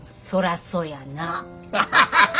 そらそやな。